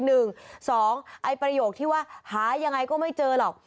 หนึ่งสองไอ้ประโยคที่ว่าหายอย่างไรก็ไม่เจอหรอก